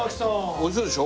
美味しそうでしょ？